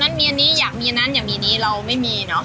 นั้นมีอันนี้อยากมีอันนั้นอยากมีนี้เราไม่มีเนอะ